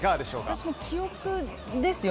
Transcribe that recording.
私も記憶ですよ。